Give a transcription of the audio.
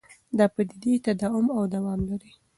دا پدیدې تداوم او دوام لري.